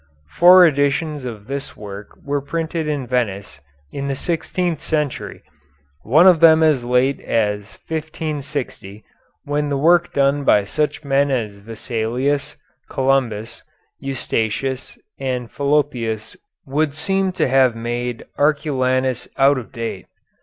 Four editions of this work were printed in Venice in the sixteenth century, one of them as late as 1560, when the work done by such men as Vesalius, Columbus, Eustachius, and Fallopius would seem to have made Arculanus out of date.